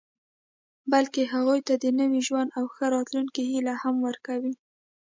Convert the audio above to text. بلکې هغوی ته د نوي ژوند او ښه راتلونکي هیله هم ورکوي